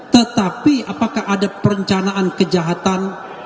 tetapi apakah ada perencanaan kejahatan